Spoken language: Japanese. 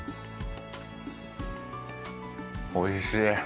おいしい。